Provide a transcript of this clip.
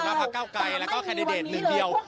ของภาคเก้าไกรและก็แคดเดทหนึ่งเดียว